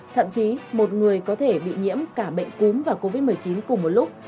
thậm chí một người có thể bị nhiễm cả bệnh cúm và covid một mươi chín cùng một lúc